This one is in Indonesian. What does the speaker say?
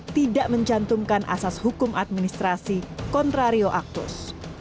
tidak mencantumkan asas hukum administrasi contrario actus